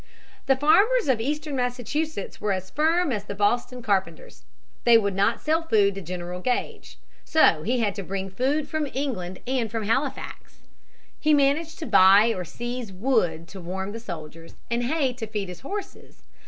The farmers of eastern Massachusetts were as firm as the Boston carpenters. They would not sell food to General Gage. So he had to bring food from England and from Halifax. He managed to buy or seize wood to warm the soldiers and hay to feed his horses.